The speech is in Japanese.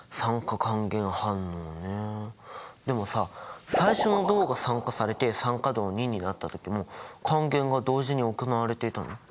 でもさ最初の銅が酸化されて酸化銅になった時も還元が同時に行われていたの？